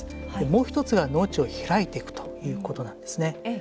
もう１つが農地を開いていくということなんですね。